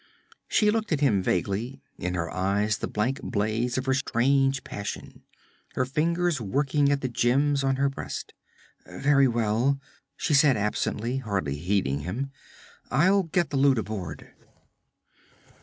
She looked at him vaguely, in her eyes the blank blaze of her strange passion, her fingers working at the gems on her breast. 'Very well,' she said absently, hardly heeding him. 'I'll get the loot aboard.'